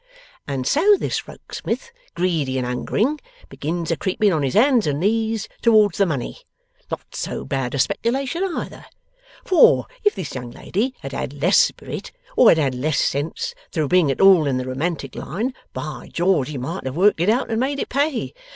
And so this Rokesmith, greedy and hungering, begins a creeping on his hands and knees towards the money. Not so bad a speculation either: for if this young lady had had less spirit, or had had less sense, through being at all in the romantic line, by George he might have worked it out and made it pay!